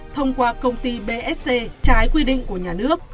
thông qua công ty bsc trái quy định của nhà nước